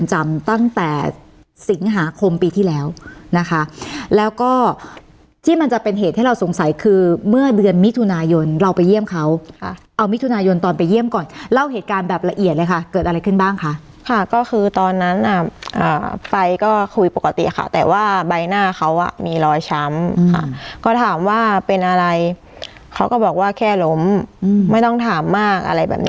ตั้งแต่สิงหาคมปีที่แล้วนะคะแล้วก็ที่มันจะเป็นเหตุให้เราสงสัยคือเมื่อเดือนมิถุนายนเราไปเยี่ยมเขาค่ะเอามิถุนายนตอนไปเยี่ยมก่อนเล่าเหตุการณ์แบบละเอียดเลยค่ะเกิดอะไรขึ้นบ้างคะค่ะก็คือตอนนั้นอ่ะไฟก็คุยปกติค่ะแต่ว่าใบหน้าเขาอ่ะมีรอยช้ำค่ะก็ถามว่าเป็นอะไรเขาก็บอกว่าแค่ล้มไม่ต้องถามมากอะไรแบบนี้